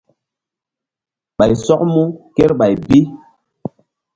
Ɓay sɔk mu kerɓay bi.